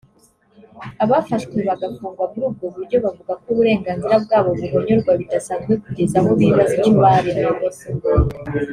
abafashwe bagafungwa muri ubwo buryo bavuga ko uburenganzira bwabo buhonyorwa bidasanzwe kugeza aho bibaza icyo baremewe